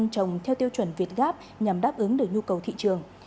hướng cho người dân trồng theo tiêu chuẩn việt gáp nhằm đáp ứng được nhu cầu thị trường